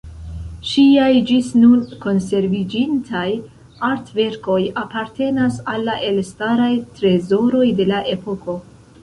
Ŝiaj ĝis nun konserviĝintaj artverkoj apartenas al la elstaraj trezoroj de la epoko.